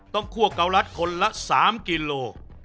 คั่วเกาลัดคนละ๓กิโล